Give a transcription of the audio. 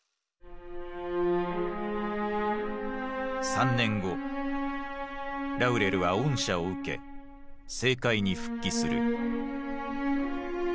３年後ラウレルは恩赦を受け政界に復帰する。